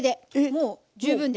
もう十分です。